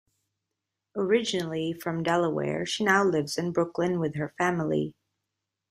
Originally from Delaware, she now lives in Brooklyn with her family.